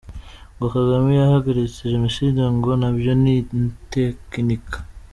– Ngo Kagame yahagaritse génocide ngo nabyo ni itekinika ;